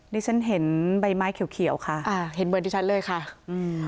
ดิฉันเห็นใบไม้เขียวเขียวค่ะอ่าเห็นเหมือนดิฉันเลยค่ะอืม